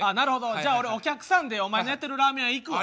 じゃあ俺お客さんでお前のやってるラーメン屋行くわ。